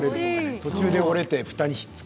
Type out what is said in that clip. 途中で折れて下にひっつく。